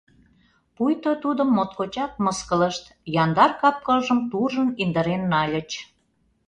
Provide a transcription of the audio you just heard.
Пуйто тудым моткочак мыскылышт, яндар кап-кылжым туржын-индырен нальыч.